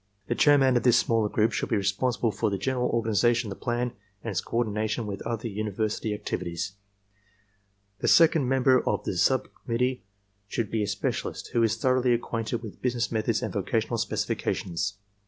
The chairman of this smaller group should be responsible for the general organization of the plan and its coordination with TESTS IN STUDENTS' ARMY TRAINING CORPS 183 other university activities. The second member of the sub committee should be a specialist who is thoroughly acquainted with business methods and vocational specifications.